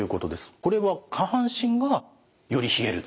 これは下半身がより冷えると。